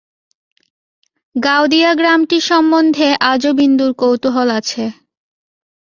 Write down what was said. গাওদিয়া গ্রামটি সম্বন্ধে আজও বিন্দুর কৌতূহল আছে।